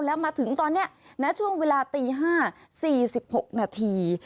แล้วมาถึงตอนเนี้ยณช่วงเวลาตีห้าสี่สิบหกนาที